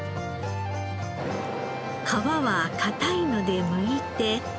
皮は硬いのでむいて。